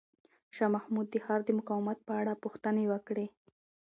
شاه محمود د ښار د مقاومت په اړه پوښتنې وکړې.